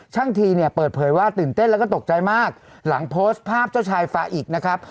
ทีเนี่ยเปิดเผยว่าตื่นเต้นแล้วก็ตกใจมากหลังโพสต์ภาพเจ้าชายฟ้าอีกนะครับ